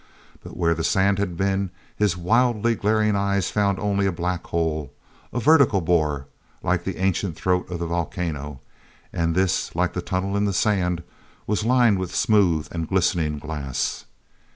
But where the sand had been, his wildly glaring eyes found only a black hole—a vertical bore, like the ancient throat of the volcano; and this, like the tunnel in the sand, was lined with smooth and glistening glass.